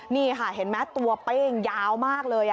นี่ค่ะเห็นไหมตัวเป้งยาวมากเลย